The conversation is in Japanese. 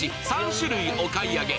３種類お買い上げ。